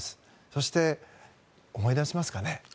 そして、思い出しますかね。